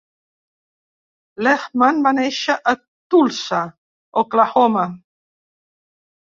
Lehman va néixer a Tulsa, Oklahoma.